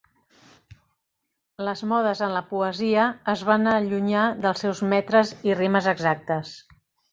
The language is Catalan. Les modes en la poesia es van allunyar dels seus metres i rimes exactes.